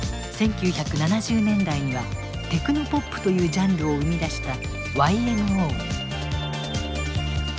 １９７０年代にはテクノポップというジャンルを生み出したＹＭＯ。